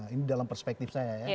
ini dalam perspektif saya ya